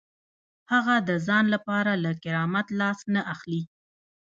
هغه د ځان لپاره له کرامت لاس نه اخلي.